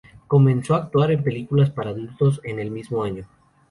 Comenzó a actuar en películas para adultos en el mismo año.